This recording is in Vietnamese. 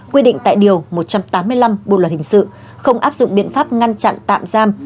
quy định tại điều một trăm tám mươi năm bộ luật hình sự không áp dụng biện pháp ngăn chặn tạm giam